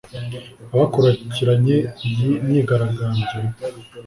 Abakurikiranye iyi myigaragambyo